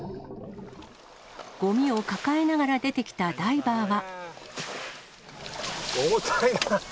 ごみを抱えながら出てきたダイバ重たいな。